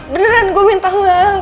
berani gue minta maaf